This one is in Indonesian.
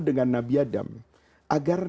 dengan nabi adam agar